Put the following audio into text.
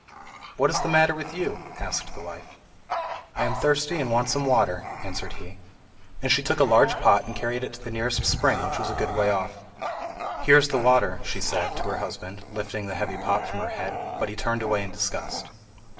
"What is the matter with you?" asked the wife. "I am thirsty and want some water," answered he; and she took a large pot and carried it to the nearest spring, which was a good way off. "Here is the water," she said to her husband, lifting the heavy pot from her head; but he turned away in disgust.